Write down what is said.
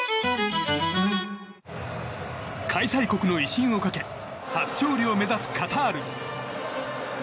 開催国の威信をかけ初勝利を目指すカタール。